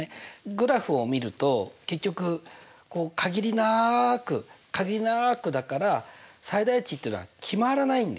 グラフを見ると結局限りなく限りなくだから最大値っていうのは決まらないんだよね。